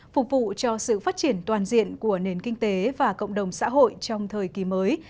phục vụ cho sự phát triển toàn diện của nền kinh tế và cộng đồng xã hội trong thời kỳ mới